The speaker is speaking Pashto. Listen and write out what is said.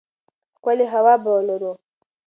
ښکلې هوا به ولرو.